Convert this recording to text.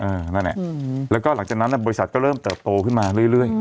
เออนั่นน่ะอืมแล้วก็หลังจากนั้นอ่ะบริษัทก็เริ่มเติบโตขึ้นมาเรื่อยเรื่อย